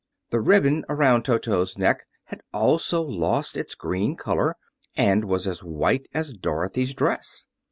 The ribbon around Toto's neck had also lost its green color and was as white as Dorothy's dress.